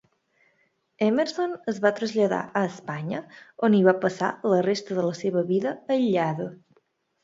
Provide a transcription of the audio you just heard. Emerson es va traslladar a Espanya, on hi va passar la resta de la seva vida aïllada.